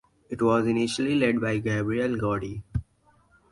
It was initially led by Gabriel Gaudy.